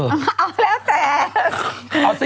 เอาแล้วแต่